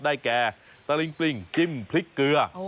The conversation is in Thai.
แก่ตะลิงปริงจิ้มพริกเกลือ